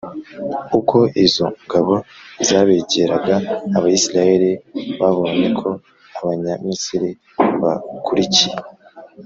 uko izo ngabo zabegeraga, abisiraheli babnye ko abanyamisiri babakurikiye.